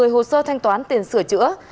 một mươi hồ sơ thanh toán tiền sửa chữa